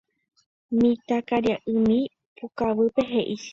Mitãkaria'ymi pukavýpe he'i chéve.